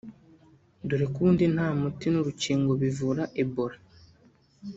dore ko ubundi nta muti n’urukingo bivura Ebola